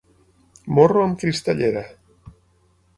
Morro amb cristallera.